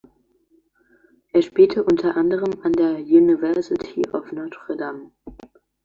Er spielte unter anderem an der University of Notre Dame.